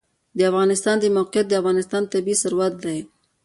د افغانستان د موقعیت د افغانستان طبعي ثروت دی.